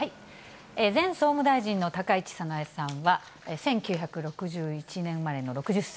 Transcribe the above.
前総務大臣の高市早苗さんは１９６１年生まれの６０歳。